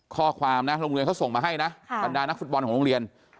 ข้อความนะโรงเรียนเขาส่งมาให้นะบรรดานักฟุตบอลของโรงเรียน